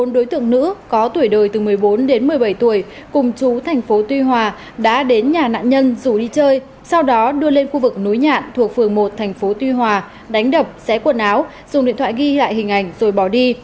bốn đối tượng nữ có tuổi đời từ một mươi bốn đến một mươi bảy tuổi cùng chú thành phố tuy hòa đã đến nhà nạn nhân rủ đi chơi sau đó đưa lên khu vực núi nhạn thuộc phường một thành phố tuy hòa đánh đập xé quần áo dùng điện thoại ghi lại hình ảnh rồi bỏ đi